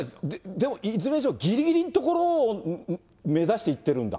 でも、いずれにしてもぎりぎりのところを目指していってるんだ。